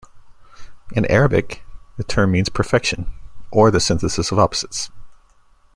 In Arabic, the term means "perfection", or the "synthesis of opposites".